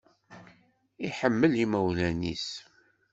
Iḥemmel imawlan-is